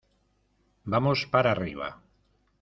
vamos para arriba.